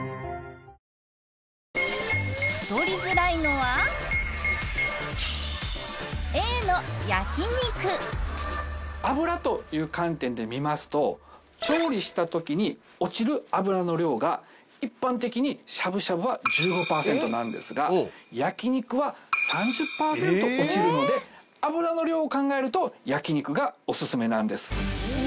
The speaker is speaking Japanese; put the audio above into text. うんイメージ正解は脂という観点で見ますと調理したときに落ちる脂の量が一般的にしゃぶしゃぶは１５％なんですが焼き肉は３０％落ちるので脂の量を考えると焼き肉がおすすめなんです